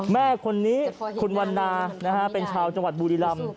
แม่คนนี้คุณวันนาเป็นชาวจังหวัดบุรีรำ